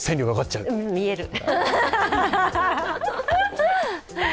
見える。